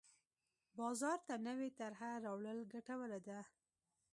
بازار ته نوې طرحه راوړل ګټوره ده.